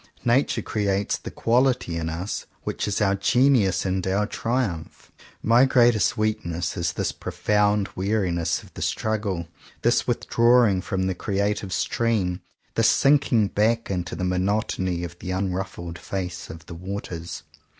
Nature creates the quality in us which is our genius and our triumph. My greatest weakness is this profound weariness of the struggle, — this withdrawing from the creative stream, — this sinking back into the monotony of the unruffled face of the waters.